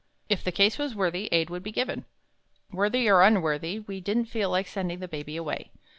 If the case was worthy, aid would be given." Worthy or unworthy, we didn't feel like sending the Baby away.